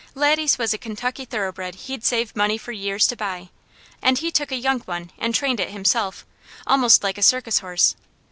Laddie's was a Kentucky thoroughbred he'd saved money for years to buy; and he took a young one and trained it himself, almost like a circus horse.